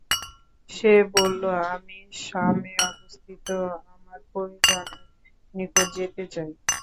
সে বলল, আমি শামে অবস্থিত আমার পরিজনের নিকট যেতে চাই।